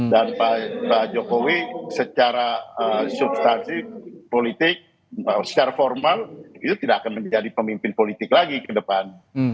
dan pak jokowi secara substansi politik secara formal itu tidak akan menjadi pemimpin politik lagi ke depan